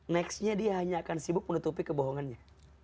nextnya dia hanya akan sibuk menutupi kebohongannya